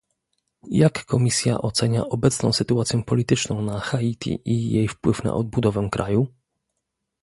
Jak Komisja ocenia obecną sytuację polityczną na Haiti i jej wpływ na odbudowę kraju?